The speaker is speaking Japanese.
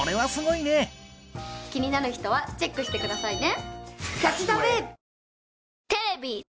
気になる人はチェックしてくださいね！